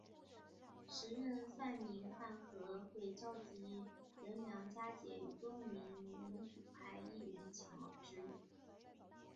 时任泛民饭盒会召集人梁家杰与多名民主派议员前往支援。